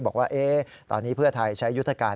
บอกว่าตอนนี้เพื่อไทยใช้ยุทธการ